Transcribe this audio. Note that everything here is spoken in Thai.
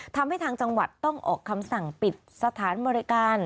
ทางจังหวัดต้องออกคำสั่งปิดสถานบริการ